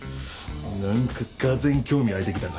何かがぜん興味湧いてきたな。